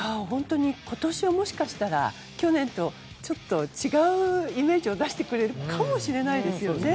今年はもしかしたら去年とちょっと違うイメージを出してくるかもしれないですよね。